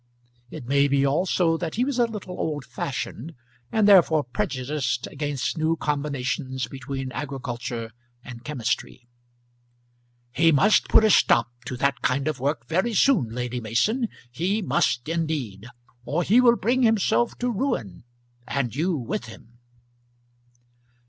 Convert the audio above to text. It may be also that he was a little old fashioned, and therefore prejudiced against new combinations between agriculture and chemistry. "He must put a stop to that kind of work very soon, Lady Mason; he must indeed; or he will bring himself to ruin and you with him."